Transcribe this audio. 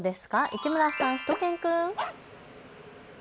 市村さん、しゅと犬くん。